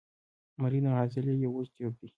مرۍ د عضلې یو اوږد تیوب دی.